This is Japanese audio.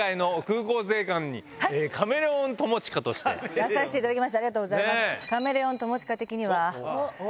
出させていただきましたありがとうございます。